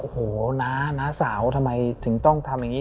โอ้โหน้าน้าสาวทำไมถึงต้องทำอย่างนี้